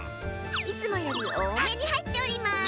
いつもよりおおめにはいっております！